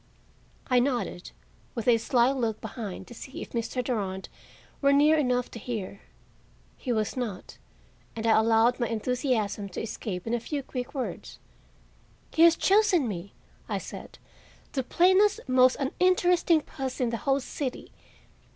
I nodded, with a sly look behind to see if Mr. Durand were near enough to hear. He was not, and I allowed my enthusiasm to escape in a few quick words. "He has chosen me," I said, "the plainest, most uninteresting puss in the whole city."